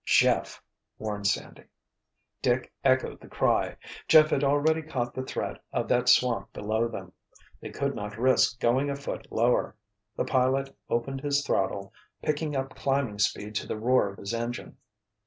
"Jeff!" warned Sandy. Dick echoed the cry. Jeff had already caught the threat of that swamp below them. They could not risk going a foot lower. The pilot opened his throttle, picking up climbing speed to the roar of his engine.